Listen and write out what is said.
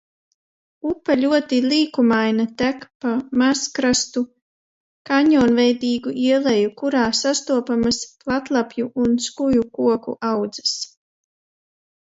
Upe ļoti līkumaina, tek pa mazskartu kanjonveidīgu ieleju, kurā sastopamas platlapju un skujkoku audzes.